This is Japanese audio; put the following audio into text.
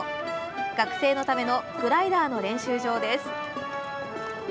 学生のためのグライダーの練習場です。